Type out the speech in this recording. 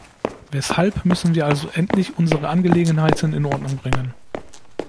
Weshalb müssen wir also endlich unsere Angelegenheiten in Ordnung bringen?